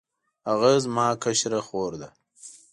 هغه زما کشره خور ده